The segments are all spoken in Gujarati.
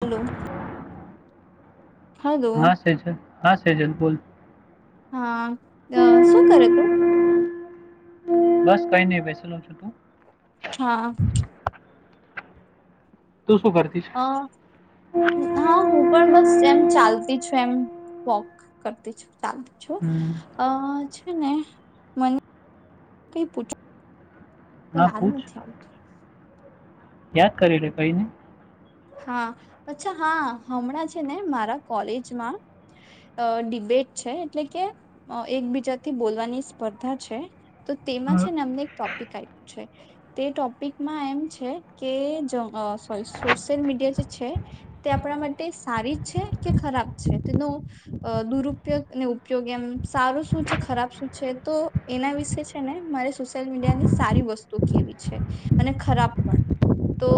હલો હલો હા સ છે હા છે જલકુલ હા શું કરે તું બસ કઈ નઈ બેસેલું છું તું હા તું શું કરતી છે અ હા હું પણ બસ એમ ચાલતી છું એમ વોક કરતી છે ચાલ છો હમ, અ એને કઈ પૂછો હા યાદ પૂછ નથી આવતું યાદ કરીે રે કઈને હા અચ્છા હા હમણાં છે ને મારા કોલેજમાં ડિબેટ છે એટલે કે એકબીજાથી બોલવાની સ્પર્ધા છે તો તેમાં છેને અમને એક ટોપિક આપ્યું છે તે ટોપિકમાં એમ છે કે સોરી સ ોશિયલ મીડિયા જે છે તે આપણા માટે સારી જ છે કે ખરાબ છે તેનો દુરુપયોગ ને ઉપયોગ એમ સારો શું છે ખરાબ શું છે તો એના વિશે છે ને મારે સોશિયલ મીડિયાની સારી વસ્તુ કેહેવી છે અને ખરાબ પણ તો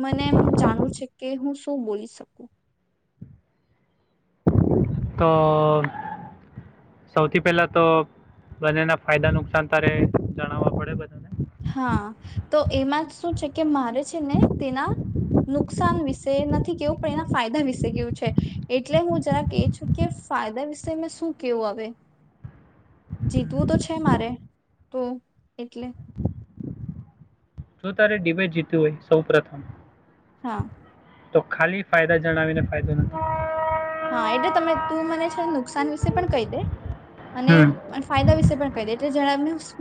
મને એમ જાણવ છે કે હું શું બોલી શકું તો સૌથી પેલા તો બંનેના ફાયદા નુકસાન તારે જણાવવા પડે બધાને હા તો એમાં જ શું છે કે મારે છે ને તેના નુકસાન વિશે નથી કેવું પણ એના ફાયદા વિશે કેવું છે એટલે હું જરા કહે છું કે ફાયદા વિશે મેં શું કેવું આવે જીતવું તો હમ, છે મારે તો એટલે જો તારે ડિબેટ જીતી હોય સૌ પ્રથમ હા તો ખાલી ફાયદા જણાવીને ફાયદો નથી હા એટલે તમે તું મને છે ને નુકસાન વિશે પણ કહી દે. અને હમ ફાયદા વિશે રીતે પણ કહી દે એટલે જ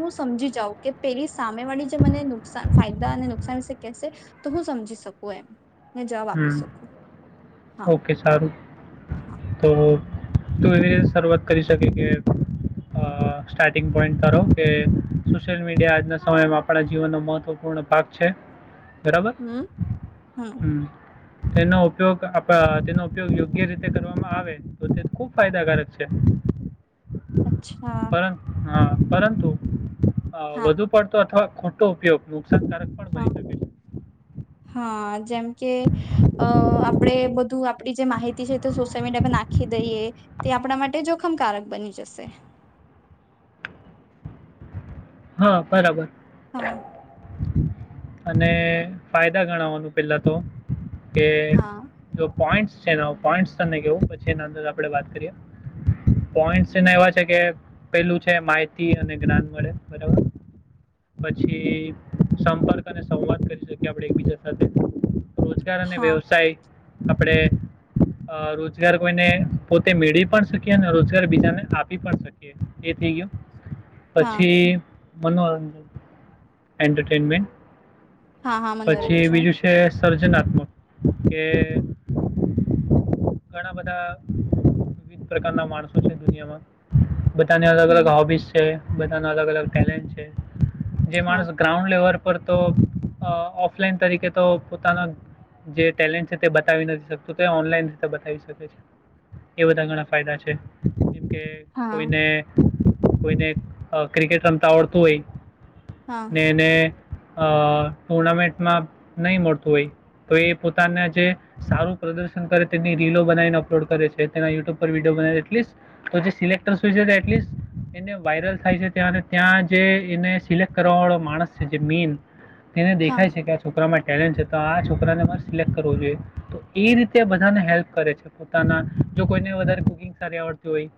હું સમજી જાઉં કે પેલી સામે વાળી જે મને નુકસાન ફાયદા અને નુકસાન વિશે કેહેશે તો હું સમજી શકું એમ. ને જવાબ આપી હમ્મ શકું હા ઓકે સારું. હા તો તું એવી રીતે શરૂઆત કરી શકી કે આ સ્ટાર્ટિંગ પોઈન્ટ તો કે સોશિયલ મીડિયા આજના સમયમાં આપણા જીવનનો મહત્વપૂર્ણ ભાગ છે. બરાબર હમ હમ હમ્મ. તેનો ઉપયોગ આપ તેનો ઉપયોગ યોગ્ય રીતે કરવામાં આવે તો તે ખૂબ ફાયદાકારક છે. અચ્છા. પરં હા પરંતુ હા આવવધુ પડતો અથવા ખોટો ઉપયોગ નું અસરકારક પણ હા બની શકે છે. હા જેમ કે અ આપણેે બધું આપડી જે માહિતી છે તે સોશિયલ મીડિયા પર નાખી દઈએ તે આપણા માટે જોખમકારક બની જશે. હા બરાબર. હા [inaudible] અને ફાયદા ગણવાનું પેલા તો કે હા જો પોઈન્ટ્સ છે નો પોઈન્ટ તને કેવું પછી એના અંદર આપણે વાત કરીએ પોઈન્ટ્સ એના એવા છે કે પેલું છે માહિતી અને જ્ઞાન મળે. બરાબર પછી સંપર્ક અને સંવાદ કરી શકીએ આપણે એકબીજા સાથે. રોજગાર અને હા વ્યવસાય આપણેે આ રોજગાર કોઈને પોતે મેળવી પણ શકીએ અને રોજગાર બીજાને આપી પણ શકીએ એ થઈ ગયું હા પછી મનોરંજન એન્ટરટેનમેન્ટ હા હા પછી મનોરંજન બીજું છે. સર્જનાત્મક કે ઘણા બધા વિવિધ પ્રકારના માણસો છે દુનિયામાં. બધાની અલગ અલગ હમ હોબીઝ છે. બધા ન અલગ અલગ ટેલેન્ટ છે. જે હા માણસ ગ્રાઉન્ડ લેવલ ઉપર તો ઓ ઓફલાઈન તરીકે તો પોતાના જે ટેલેન્ટ છે તે બતાવી નથી શકતું તે ઓનલાઈન રીતે બતાવી શકે છે એ બધા ઘણા ફાયદા છે. કે હા કોઈને કોઈને આ ક્રિકેટ રમ તવરતું હોય. હા ને એને અ ટુર્નામેન્ટમાં નહી મળતું હોય તો એ પોતાના જે સારું પ્રદર્શન કરે તેની રીલો બનાવીને અપલોડ કરે છે, તેના યુટ્યુબ પર વિડીયો બના જે સિલેક્ટ હોય એને વાયરલ થાય છે ત્યાં ત્યાં જે એને સિલેક્ટ કરવા વાળો માણસ છે જે મેન તેને હા દેખાય છે કે છોકરા મા ટેલેન્ટ તો આ છોકરાને મારે સિલેક્ટ કરવું જોઈએ. તો એ રીતે બધાને હેલ્પ કરે છે પોતાના જો કોઈને વધારે કુકિંગ સારી આવડતી હોય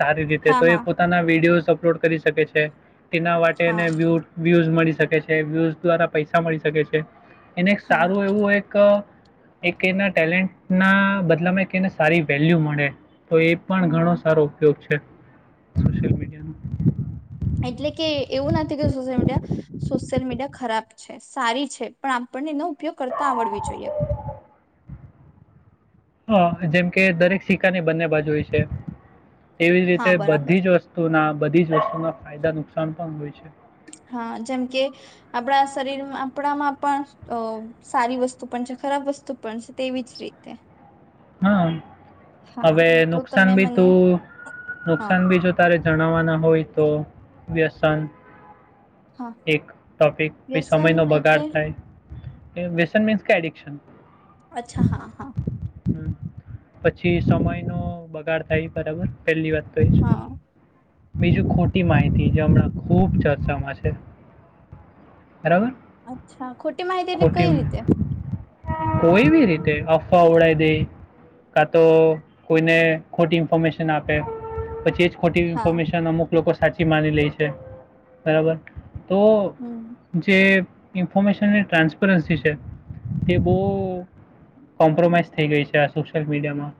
સારી રીતે હા તો એ હા પોતાના વિડીયોસ અપલોડ કરી શકે છે. [unintelligible] તેના માટેને હા વ્યુ વ્યુઝ મળી કે છે વ્યુ દ્વારા પૈસા મળી શકે છે. એને એક હા સારું એવું એક એક એના ટેલેન્ટ ના બદલામાં એક એને સારી વેલ્યુ મળે. તો એ પણ ઘણો હા સારો ઉપયોગ છે. સોશિયલ મીડિયાનું. એટલે કે એવું નથી કે સોશિયલ મીડિયા સોશિયલ મીડિયા ખરાબ છે સારી છે પણ આપણને ન ઉપયોગ કરતા આવડવી જોઈએ. હા જેમ કે દરેક સિક્કાની બંને બાજુ હોય છે. એવી જ હા રીતે બરાબર બધી જ વસ્તુના બધી જ વસ્તુમાં ફાયદા નુકસાન પણ હોય છે. હા જેમ કે આપણા શરીરમાં આપણામાં પણ અ સારી વસ્તુ પણ છે ખરાબ વસ્તુ પણ છે તેવીજ રીતે. હા. હવે હા તો નુકસાન તમે બી મને તું હા નુકસાન બી જો તારે જણાવવાના હોય તો, વ્યસન હા એક ટોપિક પે સમય વ્યસન નો એટલે બગાડ થાય. વેસન મીન્સ ક એડિક્શન. અચ્છા હા હા. હમ્મ, પછી સમય નો બગાડ થાય બરાબર. પહેલી વાત તો એ છે. હા બીજું ખોટી માહિતી જે હમણાં ખુબ ચર્ચામાં છે. બરાબર અચ્છા ખોટી માહિતી એટલે ખોટી કઈ રીતે? કોઈ બી રીતે અફવા ઓડાય દે કા તો કોઈને ખોટી ઇન્ફોર્મેશન આપે પછી ખોટી હા ઇન્ફોર્મેશન અમુક લોકો સાચી માની લે છે. બરાબર? તો હમ જે ઇન્ફોર્મેશનની ટ્રાન્સપરન્સી છે. એ બહુ કોમ્પ્રોમાઈઝ થઈ ગઈ છે આ સોશિયલ મીડિયામાં.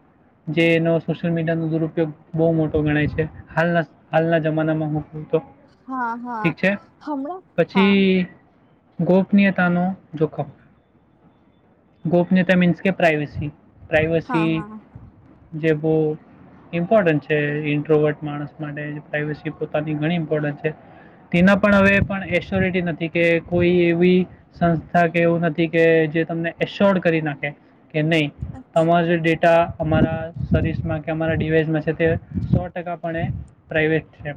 જેનો સોશિયલ મીડિયાનો દુરુપયોગ બહુ મોટો ગણાય છે. હાલના હાલના જમાનામાં હું તો હા હા ઠીક છે. હમણાં હા પછી ગોપનીયતાનો જોખમ ગોપનીયતા મીન્સ કે પ્રઇવેસી હા પ્રાઈવેસી હા જે બહ ઇમ્પોર્ટન્ટ છે ઇન્ટ્રોવટ માણસ માટે પ્રાઈવેસી પોતાની ઘણી ઇમ્પોર્ટન્ટ છે તેના પણ હવે પણ એસ્યોરિટી નથી કે કોઈ એવી સંસ્થા કે એવું નથી કે જે તમને એશ્યોર્ડ કરી નાખે કે નહીં તમા જે ડેટ સો ટકા પણ પ્રવેટ છે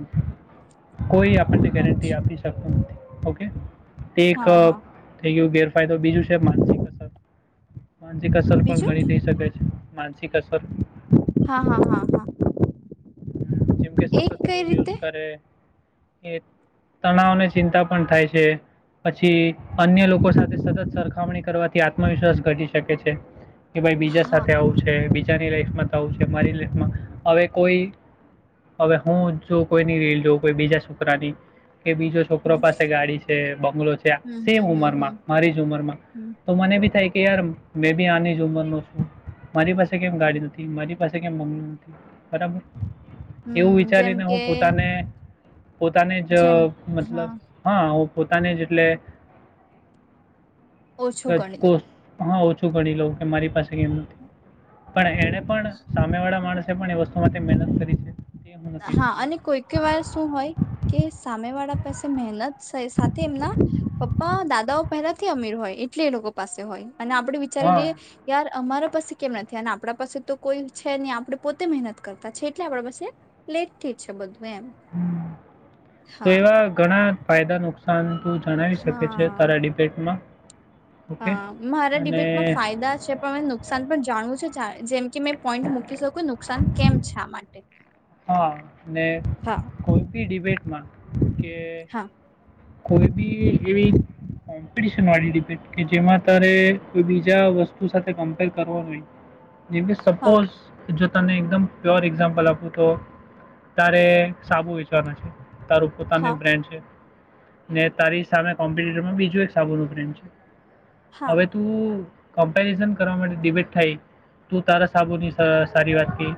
કોઈ ગેરંટી અચ્છા આપી ઓકે હા હા એકઅપ થઈ ગયું ગર ફાયદો બીજું છે માનસિક અસર માનસિક અસર પણ બીજું ઘણી થઈ શકે છે માનસિક અસર હા હા હા હા જેમકે એક સખ કઈ ફોન રીતે યુઝ કરે કે તણાવને ચિંતા પણ થાય છે પછી અન્ય લોકો સાથે સતત સરખામણી કરવાથી આત્મવિશ્વાસ ઘટી શકે છે કે ભાઈ બીજા હા સાથે આવું છે બજાની લાઈફમાં થવું છે મારી લાઈફમાં હવે કોઈ હવે હું જો કોઈની રેલ જોઉ કોઈ બીજા છોકરાની કે બીજો છોકરો હમ પાસે ગાડી છે બંગલો છે હમ સેમ ઉમર હમ હમ માં મારી જ ઉમરમાં હમ તો મને બી થાય કે યાર મે બી આની જ ઉંમર ન શું મારી પાસે કેમ ગાડી નથી મારી પાસે કેમ મમી નથી બરાબર હમ એવું જેમ વિચારીને હું કે પોતાને પોતાને જ જેમ હા મતલબ હા પોતાને જેટલે ઓછું કચ ગણી કો દઉં ઓછ શું ગણી લઉ કે મારી પાસે કેમ નથી પણ એને પણ સામે વાળા માણસે પણ એ વસ્તુ માટે મહેનત કરી છે તે હું નથી હા જોતો. અને કોઈકઈ વાર શું હોય કે સામે વાળા પાસે મહેનત સાથે એમના પપ્પા દાદાઓ પહેલાથી અમીર હોય એટલે એ લોકો પાસે હોય અને આપડે વિચારી લઈએ હા, યાર અમારા પાસે કેમ નથી અને આપણા પાસે તો કોઈ છે હી આપણે પોતે મહેનત કરતા છે એટલે આપણા પાસે લેટ થી છે બધું એમ તો હા એવા ઘણા ફાયદા નુકસાન તું જણાવી શકે છે હા તારા ડિબેટમાં ઓકે હા મારા અને ડિબેટમાં ફાયદા છે પણ નુકસાન પણ જાણવું છે જાય જેમ કે મેં પોઈન્ટ મૂકી શકું નુકસાન કેમ છે આ માટે. હા ને હા કોઈ ભી ડિબેટ ન કે. હા. કોઈ બી એવી કોમ્પિટિશન વાળી ડિબેટ કે જેમાં તારે કોઈ બીજા વસ્તુ સાથે કમ્પેર કરવા જોય. જેકે હા સપોઝ જો તને એકદમ પ્યોર એક્ઝામ્પલ આપો તો તારે સાબુ વિચવાના છે. તારું પોતાની હા નુ બ્રાન્ડ છે. ને તારી સામે કોમ્પ્યુટરમાં બીજું એક સાબુ બેન્ડ છે. હા હવે તું કમ્પેરિઝન કરવા માટે ડિબેટ થાય તું તારા સાબુની સ સારી વાત કી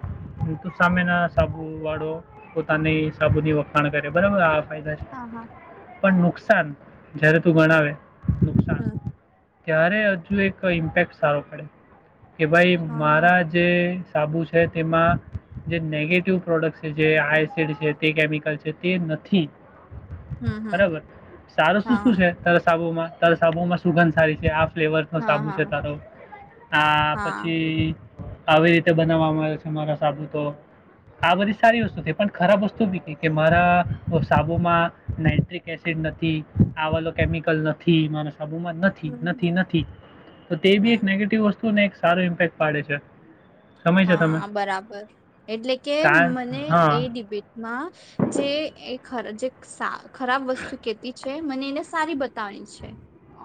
તું સામેના સાબુવાળો પોતાની સાબુની વખાણ કરે બરાબર આ [unintelligible] છે હા હા હા પણ નુકસાન જયારે તું ભણાવે હમ્મ. ત્યારે હજુ એક ઇમ્પેક્ટ સારો પડે. કે ભાઈ હા મારા જે સાબુ છે તેમાં જે નેગેટ [unintelligible] જે આય સેડ છે તે કેમિકલ છે તે નથી હમ હમ બરાબર સારું શું શું હા છે તારા સાબુ માં? તરસાબુમાં સુગંધ સારી છે આપ ફ્લેવર નો હા સાબુ છે હા તારો આ હા પછી આવી રીતે બનાવામાં આવે છે મારા સાબૂ તો આ બધી સારી વસ્તુ થ પણ ખરાબ વસ્તુ બી કે મારા સાબુમાં નાઈટ્રિક એસિડ નથી આવાલો કેમિકલ નથી માર સાબુમાં હમ નથી હમ નથી તો તે બી એક હમ નેગેટિવ વસ્તુ તો ને એક સારો ઇમ્પેક્ટ પાડે છે. સમય છે તમે હા બરાબર એટલે કે કાન મને હા એ ડિબેટમાં જે એક હરખી [unintelligible] સા ખરાબ વસ્તુ કેતી છે. મને એને સારી બતાવવાની છે.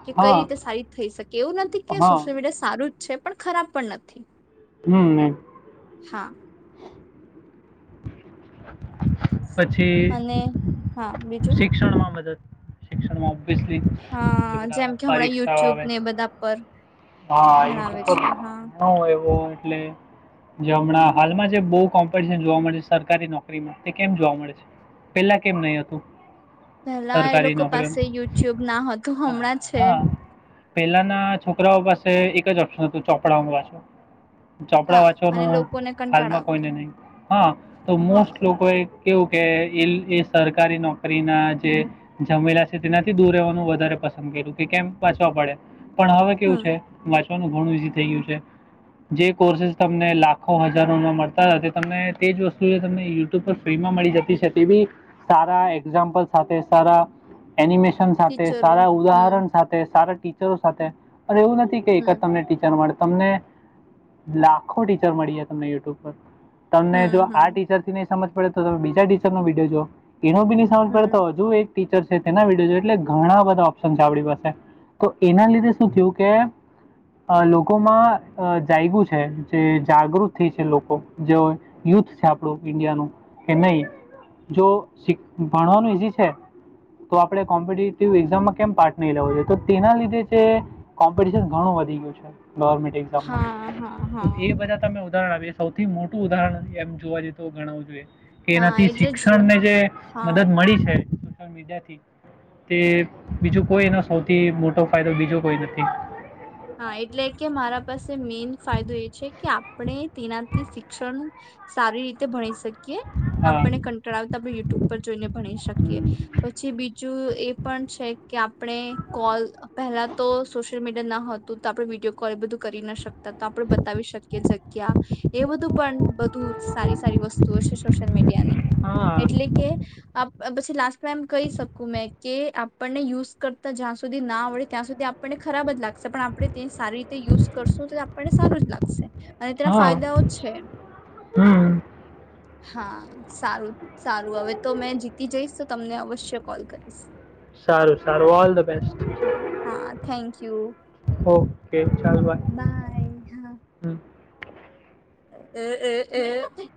કે કઈ હા રીતે સારી થઈ શકે એવું નથી કે હા સોશિયલ મીડિયા સારું છે પણ ખરાબ પણ નથી. હમ હ. હા [inaudible] પછી અને હા બીજું શિક્ષણમાં મદદ શિક્ષણમાં હા બધ જેમ કે હમણાં પરીક્ષા યુટ્યુબ આવે ને છે, એ બધા પર હા ભણાવે છે હા એવ એટલે જે હમણાં હાલમાં જે બહુ કોમ્પિટિશન જોવા મળે છે સરકારી નોકરી કેમ જોવા મળે છે, પેલા કેમ નહી હતું? પેલા એ સરકારી લોકો નોકરીઓનું પાસે યુટ્યુબ ના હતું હમણાં છે. હા પહેલાના છોકરાઓ પાસે એક જ ઓપ્શન હતું ચોપડા વાછું. ચોપડા હા અને વાંચવાનું લોકોને કંટાળ હાલમાં આવતો કોઈને નહી હા તો મો હા કેવું કે એ સરકારી નોકરી ના જે, જમેલા છે તેનાથી દૂર રહેવાનું વધારે પસંદ કર્યું કે કેમ પાછવા પડે. પણ હવે કેવું હમ છે મ ણું થઈ ગયું છે, જે કોર્સ તમને લાખો હજારોમાં મળતા હતા તમને તેજ વસ્તુ તમે ફ્રીમાં મળી જતી છે તેવી, સારા એક્ઝામ્પલ સાથે સારા એનિમેશન સાથે ટીચરો સારા હમ ઉદાહરણ સાથે સારા ટીચરો સાથે અને એવું નથી કે એકદ હમ તમને ટીચર તમને, લાખો ટીચર મળીએ તમને યુટ્યુબ પર. તમને જો હમ આ હમ ટીચર થી ને સમજ પડે તો તમે બીજા ટીચર નો વિડીયો જો. એનો બીની સાઉજ પડતો હમ હો હુ એક ટીચર તેના વિડીયો એટલે ઘણા બધા ઓપ્શન છે આપણી પાસે, તો એના લીધે શું થયું કે લોકોમાં જાયું છે જે જાગૃત થઈ છે લોકો જે યુથ છે આપણું. ઇન્ડિયાનું, કે નહી જો ભણવાનું ઈઝી છે, તો આપડણે કોમ્પિટેટિવ એક્ઝામમાં કેમ પાર્ટ નહી લેવો જોઈએ તો તેના લીધે છે કોમ્પિટશન ઘણું વધી ગયું હા છે. હા તો એ હા બધા તમે ઉદાહરણ સૌથી મોટું ઉદાહરણ એમ જોવા જ તો ગણાવું જોઈએ. કે હા એનાથી એટલે જ શિક્ષણ ને જે હા મદદ મળી છે. મીથી તે બીજું કોઈ એનો સૌથી મોટો ફાયદો બીજો કોઈ નથી. હા એટલે કે મારા પાસે મેઈન ફાયદો એ છે કે આપણે તેનાથી શિક્ષણ સારી રીતે ભણી શકી હા આપણે કંટળાવતા યુટ્યુબ પર જોઈને ભણી શકીએ, હમ. પછી બીજું એ પણ છે કે આપણે કોલ પહેલા તો સોશિયલ મીડ ના હોત તો આપણે વિડીયો કોલ એ બધું કરી ના શકી તો આપડ બતાવી શકીએ જગ્યા, એ બધું પણ બધું સારી સારી વસ્તુઓ છે સોશિયલ મીડિયાની, હા એટલે કે પછી લાસ્ટ ટાઈમ કહી શકું મેં કે આપણને યુઝ કરતા જ્યાં સુધી ના આવડે ત્યાં સુધી આપણને ખરાબ જ લાગશે પણ આપણે તિશ સારી રીતે યુઝ કરશું પણ સારું જ લાગશે અને તેના હા ફાયદાઓ છે હમ હા સારું સારું હવે તો મેં જીતી જઈશ તો તમને અવશ્ય કોલ કરીશ સારું સારું ઓલ ધ બેસ્ટ હા હા થેન્ક યુ ઓકે ચાલ બાય બાય હા હું એ એ એ